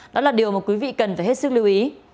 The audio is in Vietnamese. đó là điều mà quý vị cần phải hết sức lưu ý